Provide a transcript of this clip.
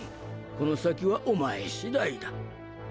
この先はおまえ次第だ。